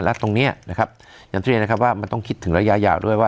และตรงเนี้ยนะครับอย่างที่เรียนนะครับว่ามันต้องคิดถึงระยะยาวด้วยว่า